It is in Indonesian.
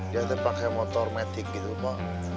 dia pakai motor matic gitu pak